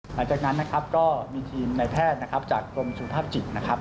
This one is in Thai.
หลังจากนั้นก็มีทีมนายแทนจากกลมชูภาพจิต